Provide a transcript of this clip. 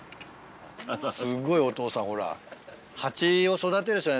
すごいお父さんほら。